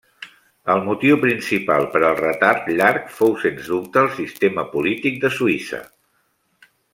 El motiu principal per al retard llarg fou sens dubte el sistema polític de Suïssa.